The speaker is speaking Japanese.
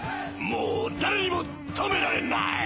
もう誰にも止められない！